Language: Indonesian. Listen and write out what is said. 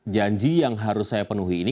janji yang harus saya penuhi ini